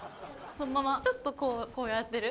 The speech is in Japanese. そのままちょっとこうやってる？